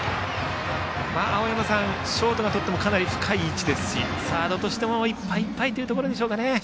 青山さん、ショートがとってもかなり深い位置ですしサードとしてもいっぱいいっぱいでしょうか。